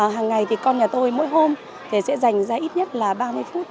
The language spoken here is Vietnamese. hàng ngày thì con nhà tôi mỗi hôm sẽ dành ra ít nhất là ba mươi phút